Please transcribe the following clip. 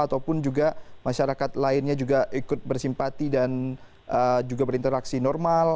ataupun juga masyarakat lainnya juga ikut bersimpati dan juga berinteraksi normal